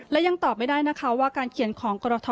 และยังตอบไม่ได้นะคะว่าการเขียนของกรท